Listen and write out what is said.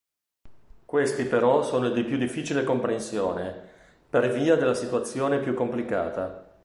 Questi però sono di più difficile comprensione, per via della situazione più complicata.